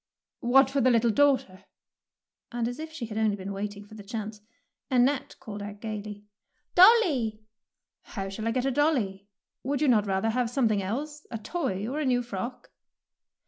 "What for the little daughter?'^ and as if she had only been waiting for the chance, Annette called out gaily, —" Dolly. 170 THE PEAEL NECKLACE "How shall I get a dolly? Would you not rather have something else, a toy or a new frock